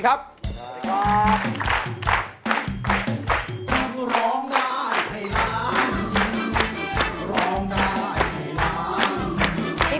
โทษให้